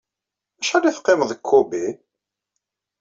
Acḥal ay teqqimeḍ deg Kobe?